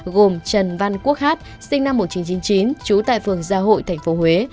gồm trần văn quốc hát sinh năm một nghìn chín trăm chín mươi chín trú tại phường gia hội tp huế